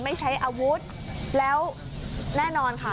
ไม่ใช้อาวุธแล้วแน่นอนค่ะ